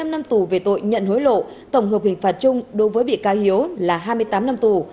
một mươi năm năm tù về tội nhận hối lộ tổng hợp hình phạt chung đối với bị cáo hiếu là hai mươi tám năm tù